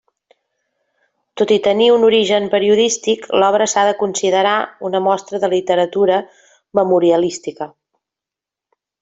Tot i tenir un origen periodístic, l’obra s'ha de considerar una mostra de literatura memorialística.